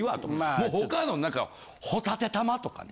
もう他の何かホタテ玉とかね。